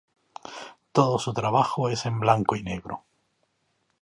Todo su trabajo es en blanco y negro.